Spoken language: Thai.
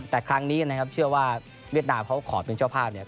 แต่ครั้งนี้นะครับเชื่อว่าเวียดนามเขาขอเป็นเจ้าภาพเนี่ย